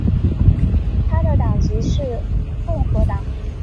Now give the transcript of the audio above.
他的党籍是共和党。